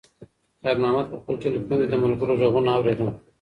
خیر محمد په خپل تلیفون کې د ملګرو غږونه اورېدل.